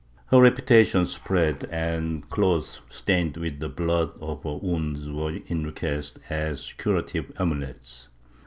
Her reputation spread and cloths stained with the blood of her wounds were in request as curative amulets.